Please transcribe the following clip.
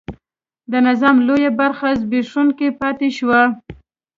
د نظام لویه برخه زبېښونکې پاتې شوه.